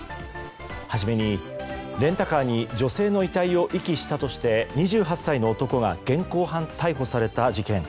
初めにレンタカーに女性の遺体を遺棄したとして２８歳の男が現行犯逮捕された事件。